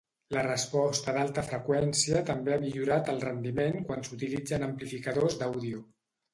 La resposta d'alta freqüència també ha millorat el rendiment quan s'utilitza en amplificadors d'àudio.